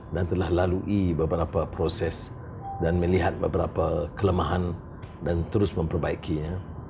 dan telah lalui beberapa proses dan melihat beberapa kelemahan dan terus memperbaikinya